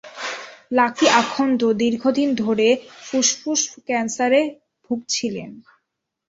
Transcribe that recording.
Lucky Akhand দীর্ঘদিন ধরে ফুসফুস ক্যান্সারে ভুগছিলেন।